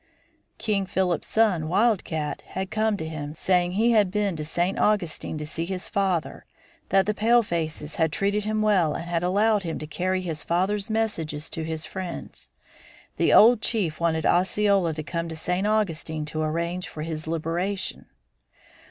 King Philip's son, Wild Cat, came to him, saying he had been to St. Augustine to see his father, that the palefaces had treated him well and had allowed him to carry his father's messages to his friends. The old chief wanted Osceola to come to St. Augustine to arrange for his liberation.